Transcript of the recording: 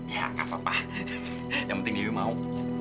ya nggak apa apa yang penting dewi mau